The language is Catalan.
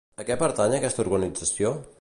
A què pertany aquesta organització?